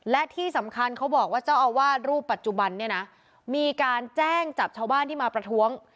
และที่สำคัญเขาบอกว่าเจ้าอาวาสรูปปัจจุบันเนี่ยนะมีการแจ้งจับชาวบ้านที่มาประท้วง